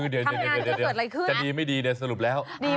เดี๋ยวถ้าเกิดอะไรขึ้นครับดีแหรือไม่ดีในสรุปแล้ว